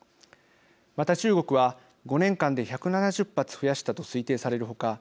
また、中国は５年間で１７０発増やしたと推定される他